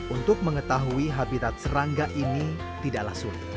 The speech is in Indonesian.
untuk mengetahui habitat serangga ini tidaklah sulit